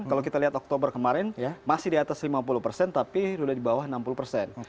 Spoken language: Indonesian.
kalau kita lihat oktober kemarin masih di atas lima puluh persen tapi sudah di bawah enam puluh persen